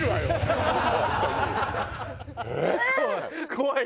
怖い？